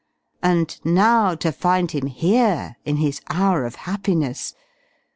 And now to find him here in his hour of happiness.